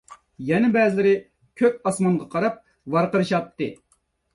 يەنە بەزىلىرى كۆك ئاسمانغا قاراپ ۋارقىرىشاتتى.